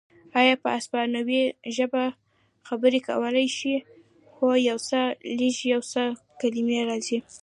ایا په اسپانوي ژبه خبرې کولای شې؟ هو، یو څه لږ، یو څو کلمې راځي.